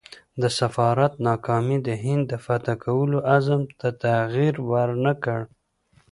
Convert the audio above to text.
د سفارت ناکامي د هند د فتح کولو عزم ته تغییر ورنه کړ.